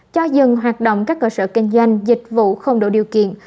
cho dừng hoạt động các cơ sở kinh doanh dịch vụ không đủ điều kiện